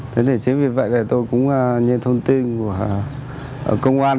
thế thì chứ vì vậy tôi cũng như thông tin của công an